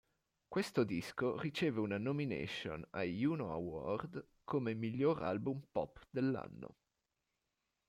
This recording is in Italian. Questo disco riceve una nomination ai Juno Award come "miglior album pop dell'anno".